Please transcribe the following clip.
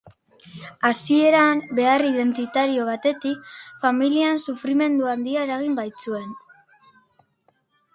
Hasieran, behar identitario batetik, familian sufrimendu handia eragin baitzuen.